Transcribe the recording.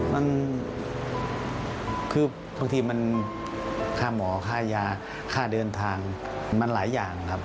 มันคือบางทีมันค่าหมอค่ายาค่าเดินทางมันหลายอย่างครับ